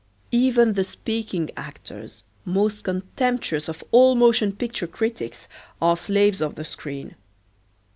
Even the speaking actors, most contemptuous of all motion picture critics, are slaves of the screen.